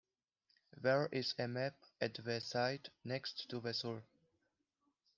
There is a map at the site, next to the school.